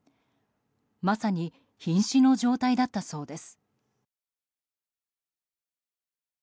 まさに瀕死の状態だったそうです。